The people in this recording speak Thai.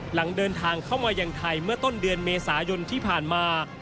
หลังเดินทางเข้ามายังไทยเมื่อต้นเดือนเมษายนที่ผ่านมา